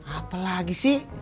apa lagi sih